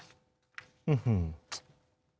อื้อหือ